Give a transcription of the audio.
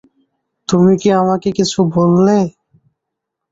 তুমি কি আমাকে কিছু বললে?